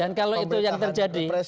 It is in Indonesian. dan kalau itu yang terjadi